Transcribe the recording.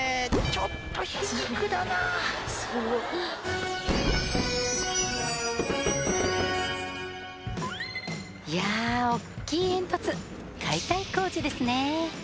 ちょっと皮肉だないやおっきい煙突解体工事ですね